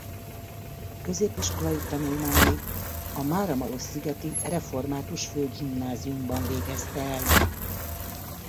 Középiskolai tanulmányait a máramarosszigeti református főgimnáziumban végezte el.